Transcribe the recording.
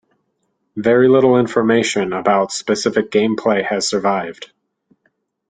Very little information about specific gameplay has survived.